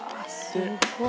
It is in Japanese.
すごい！